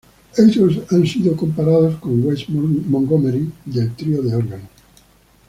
Ellos han sido comparados con Wes Montgomery del trío de órgano.